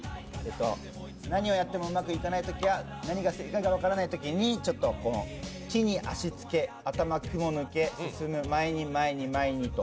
何をやってもうまくいかないときや何が正解か分からないときに「地に足付け頭雲抜け進む前に前に前に」と。